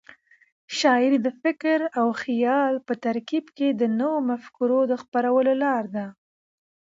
شاعري د فکر او خیال په ترکیب د نوو مفکورو د خپرولو لار ده.